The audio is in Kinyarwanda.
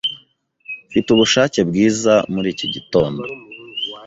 Mfite ubushake bwiza muri iki gitondo.